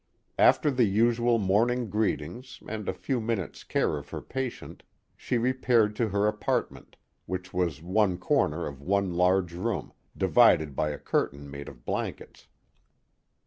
After the usual morning greetings and a few minutes* care of her patient, she repaired to her apartment, which was one corner of the one large room, divided by a curtain made of blankets.